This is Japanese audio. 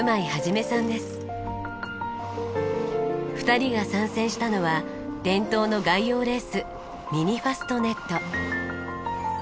２人が参戦したのは伝統の外洋レースミニファストネット。